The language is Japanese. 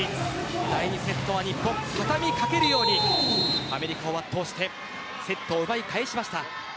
第２セットは日本畳み掛けるようにアメリカを圧倒してセットを奪い返しました。